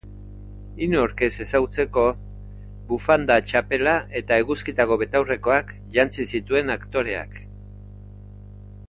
Inork ez ezagutzeko bufanda, txapela eta eguzkitako betaurrekoak jantzi zituen aktoreak.